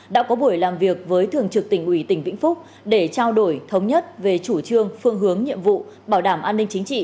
đã có buổi làm việc với thường trực tỉnh ủy tỉnh vĩnh phúc để trao đổi thống nhất về chủ trương phương hướng nhiệm vụ bảo đảm an ninh chính trị